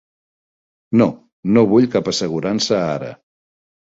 No, no vull cap assegurança ara.